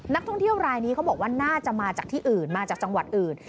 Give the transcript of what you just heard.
นักท่องเที่ยวรายนี้เขาบอกว่าน่าจะมาจากที่อื่นมาจากจังหวัดอื่น